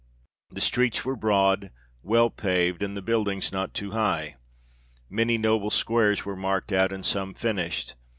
The streets were broad, well paved, and the buildings not too high. Many noble squares were marked out, and some finished.